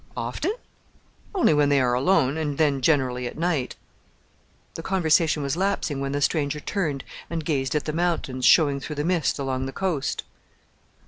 "Often?" "Only when they are alone, and then generally at night." The conversation was lapsing when the stranger turned and gazed at the mountains showing through the mist along the coast.